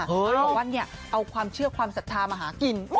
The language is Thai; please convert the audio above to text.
เพราะว่าเนี่ยเอาความเชื่อความศรัทธามาหากิน